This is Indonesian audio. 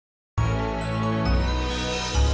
tu yang macuin lah aku usu ibu todang cocrices ocak